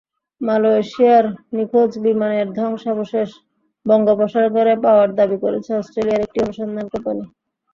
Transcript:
মালয়েশিয়ার নিখোঁজ বিমানের ধ্বংসাবশেষ বঙ্গোপসাগরে পাওয়ার দাবি করেছে অস্ট্রেলিয়ার একটি অনুসন্ধান কোম্পানি।